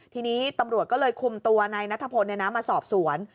ทีนี้ตำรวจก็เลยคุมตัวนายนัทพลมาสอบสวน